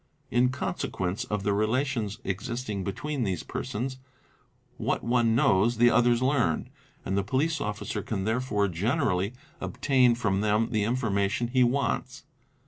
In consequence of the relations existing between these persons, what one knows the others learn, and the police officer can therefore generally _ obtain from them the information he wants.